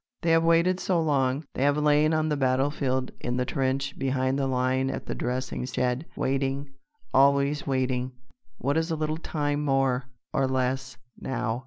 They have waited so long. They have lain on the battlefield, in the trench, behind the line at the dressing shed, waiting, always waiting. What is a little time more or less, now?